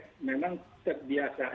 itu kebetulan pas lagi libur imlek